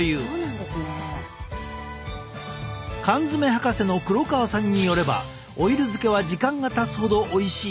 缶詰博士の黒川さんによればオイル漬けは時間がたつほどおいしいそう。